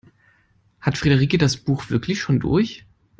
Hat Friederike das Buch wirklich schon durch?